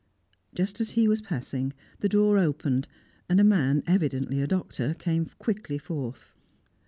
Just as he was passing, the door opened, and a man, evidently a doctor, came quickly forth.